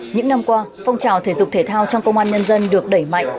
những năm qua phong trào thể dục thể thao trong công an nhân dân được đẩy mạnh